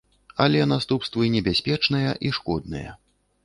Але наступствы небяспечныя і шкодныя.